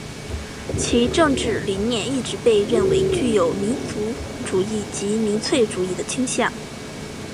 其政治理念一直被认为具有民族主义及民粹主义的倾向。